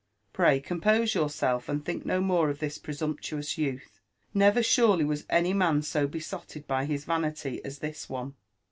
Pray compose yourself and think no more of this presumptuous youth : never surely was any man so besotted by his vanity as this one!"